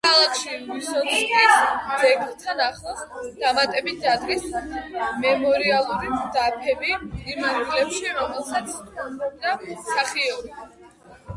ქალაქში, ვისოცკის ძეგლთან ახლოს, დამატებით დადგეს მემორიალური დაფები, იმ ადგილებში, რომელსაც სტუმრობდა მსახიობი.